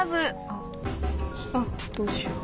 あっあっどうしよう。